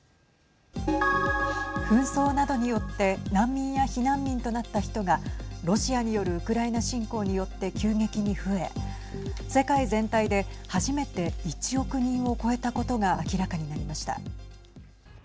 紛争などによって難民や避難民となった人がロシアによるウクライナ侵攻によって急激に増え世界全体で初めて１億人を超えたことが明らかになりました。